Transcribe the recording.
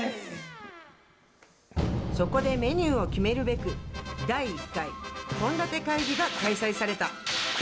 そこでメニューを決めるべく、第１回献立会議が開催された。